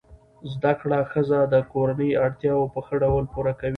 زده کړه ښځه د کورنۍ اړتیاوې په ښه ډول پوره کوي.